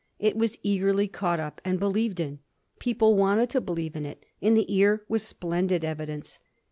' It was eagerly caught up and be lieved in ; people wanted to believe in it, and the ear was splendid evidence.